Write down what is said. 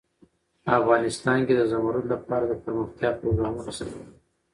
افغانستان کې د زمرد لپاره دپرمختیا پروګرامونه شته.